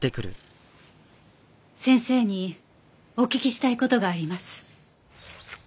先生にお聞きしたい事があります。